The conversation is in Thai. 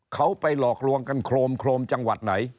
เขาไปหลอกลวงกันโครมโครมจังหวัดไหน